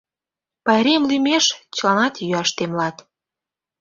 Пайрем лӱмеш! — чыланат йӱаш темлат.